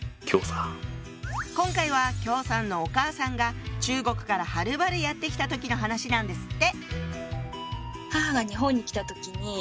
今回は姜さんのお母さんが中国からはるばるやって来た時の話なんですって。